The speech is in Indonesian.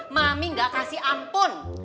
mami gak kasih ampun